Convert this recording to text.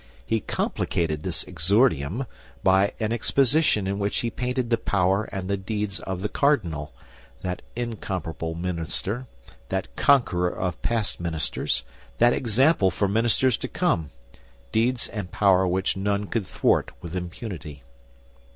He complicated this exordium by an exposition in which he painted the power and the deeds of the cardinal, that incomparable minister, that conqueror of past ministers, that example for ministers to come—deeds and power which none could thwart with impunity.